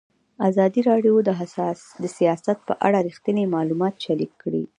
ازادي راډیو د سیاست په اړه رښتیني معلومات شریک کړي.